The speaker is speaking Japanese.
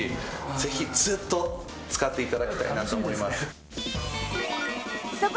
ぜひずっと使って頂きたいなと思います。